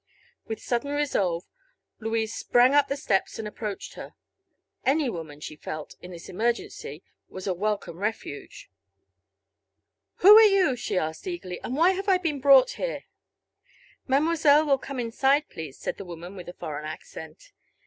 With sudden resolve Louise sprang up the steps and approached her. Any woman, she felt, in this emergency, was a welcome refuge. "Who are you?" she asked eagerly, "and why have I been brought here?" "Mademoiselle will come inside, please," said the woman, with a foreign accent.